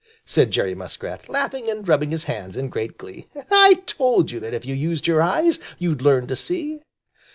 said Jerry Muskrat, laughing and rubbing his hands in great glee. "I told you that if you used your eyes, you'd learn to see."